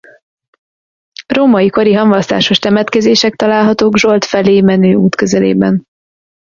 Római kori hamvasztásos temetkezések találhatók Zsolt felé menő út közelében.